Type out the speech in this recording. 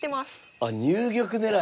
あっ入玉狙い。